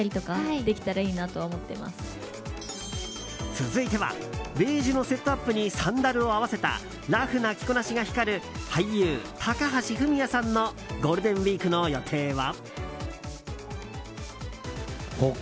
続いてはベージュのセットアップにサンダルを合わせたラフな着こなしが光る俳優・高橋文哉さんのゴールデンウィークの予定は。